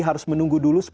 harus menunggu dulu